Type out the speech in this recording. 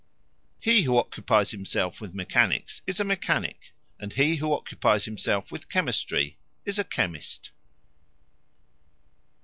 (He) who occupies himself with mechanics is a mechanic, and (he) who occupies himself with chemistry is a chemist.